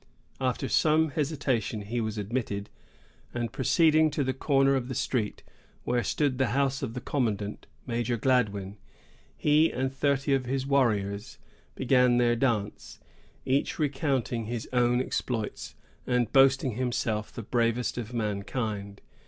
After some hesitation, he was admitted; and proceeding to the corner of the street, where stood the house of the commandant, Major Gladwyn, he and thirty of his warriors began their dance, each recounting his own exploits, and boasting himself the bravest of mankind.